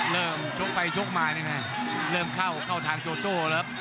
เริ่มชกไปชกมานี่นะเริ่มเข้าทางโจโจแล้ว